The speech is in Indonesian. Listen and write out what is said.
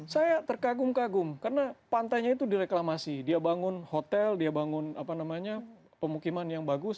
saya terkagum kagum karena pantainya itu direklamasi dia bangun hotel dia bangun apa namanya pemukiman yang bagus